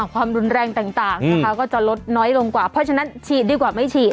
ความรุนแรงต่างนะคะก็จะลดน้อยลงกว่าเพราะฉะนั้นฉีดดีกว่าไม่ฉีด